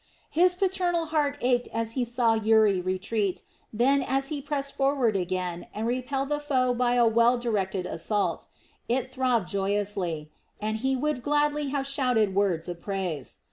His paternal heart ached as he saw Uri retreat, then as he pressed forward again and repelled the foe by a well directed assault, it throbbed joyously, and he would gladly have shouted words of praise.